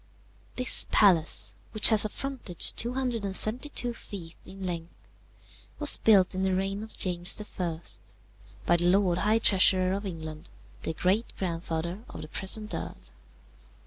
This palace, which has a frontage 272 feet in length, was built in the reign of James I. by the Lord High Treasurer of England, the great grandfather of the present earl.